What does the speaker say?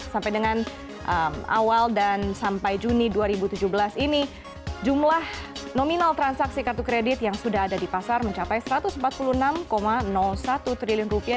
sampai dengan awal dan sampai juni dua ribu tujuh belas ini jumlah nominal transaksi kartu kredit yang sudah ada di pasar mencapai satu ratus empat puluh enam satu triliun rupiah